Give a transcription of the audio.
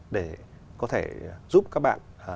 để có thể giúp các bạn